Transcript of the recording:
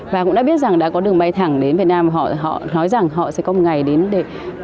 và cũng đã biết rằng đã có đường bay thẳng đến việt nam họ nói rằng họ sẽ có một ngày đến để